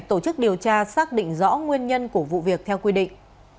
tổ chức điều tra xác định rõ nguyên nhân của vụ việc theo quy định